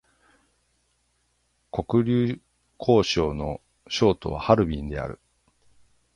黒竜江省の省都はハルビンである